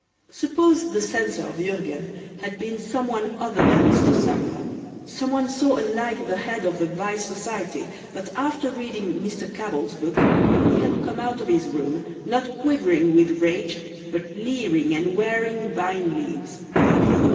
Suppose the censor of Jurgen had been some one other than Mr. Sumner, some one so unlike the head of the vice society that after reading Mr. Cabell's book he had come out of his room, not quivering with rage, but leering and wearing vine leaves.